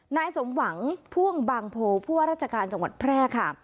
นายสมหวังพ่วงบางโพผู้ว่าราชการจังหวัดแพร่ค่ะ